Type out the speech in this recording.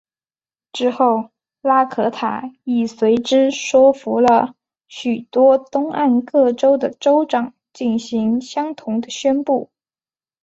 之后拉可塔亦随之说服了众多东岸各州的州长进行相同的宣布。